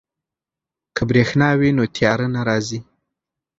که بریښنا وي نو تیاره نه راځي.